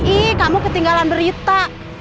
ih kamu ketinggalan berita